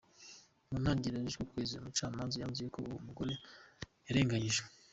Mu ntangiriro y'uku kwezi, umucamanza yanzuye ko uwo mugore yarenganyijwe.